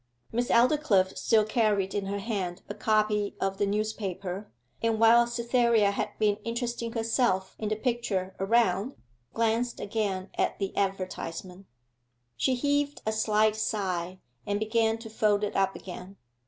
Miss Aldclyffe still carried in her hand a copy of the newspaper, and while Cytherea had been interesting herself in the picture around, glanced again at the advertisement. She heaved a slight sigh, and began to fold it up again.